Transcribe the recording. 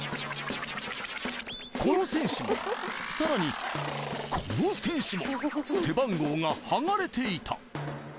この選手も、さらに、この選手も、背番号が剥がれていた。